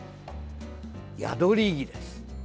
ヤドリギです。